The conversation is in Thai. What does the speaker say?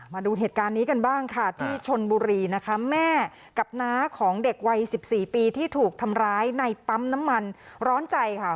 มาดูเหตุการณ์นี้กันบ้างค่ะที่ชนบุรีนะคะแม่กับน้าของเด็กวัย๑๔ปีที่ถูกทำร้ายในปั๊มน้ำมันร้อนใจค่ะ